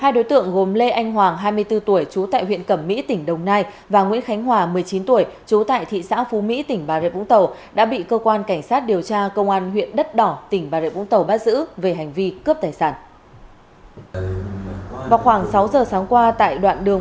hai đối tượng gồm lê anh hoàng hai mươi bốn tuổi trú tại huyện cẩm mỹ tỉnh đồng nai và nguyễn khánh hòa một mươi chín tuổi trú tại thị xã phú mỹ tỉnh bà rịa vũng tàu đã bị cơ quan cảnh sát điều tra công an huyện đất đỏ tỉnh bà rịa vũng tàu bắt giữ về hành vi cướp tài sản